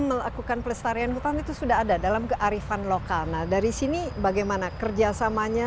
melakukan pelestarian hutan itu sudah ada dalam kearifan lokal nah dari sini bagaimana kerjasamanya